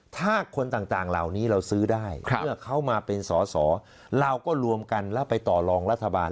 ถ้าคนต่างเหล่านี้เราซื้อได้เมื่อเขามาเป็นสอสอเราก็รวมกันแล้วไปต่อรองรัฐบาล